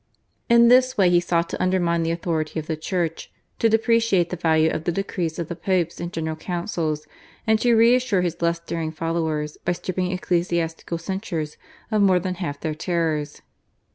In this way he sought to undermine the authority of the Church, to depreciate the value of the decrees of the Popes and General Councils, and to re assure his less daring followers by stripping ecclesiastical censures of more than half their terrors.